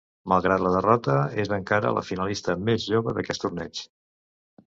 Malgrat la derrota, és encara la finalista més jove d'aquest torneig.